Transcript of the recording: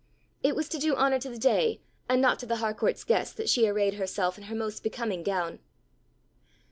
It was to do honour to the day and not to the Harcourt's guest, that she arrayed herself in her most becoming gown.